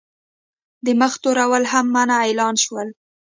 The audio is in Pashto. د مخ تورول هم منع اعلان شول.